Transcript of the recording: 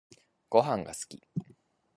ごはんが好き